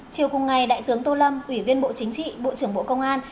chiều cùng ngày đại tướng tô lâm ủy viên bộ chính trị bộ trưởng bộ công an